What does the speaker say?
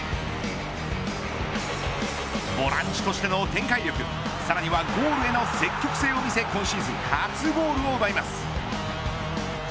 ボランチとしての展開力さらにはゴールへの積極性を見せ今シーズン初ゴールを奪います。